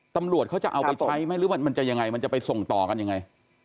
ตำรวจเขาจะเอาไปใช้ไหมหรือมันจะยังไงมันจะไปส่งต่อกันยังไง